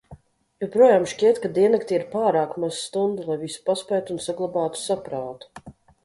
Joprojām šķiet, ka diennaktī ir pārāk maz stundu, lai visu paspētu un saglabātu saprātu.